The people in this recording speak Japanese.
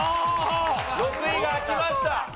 ６位が開きました。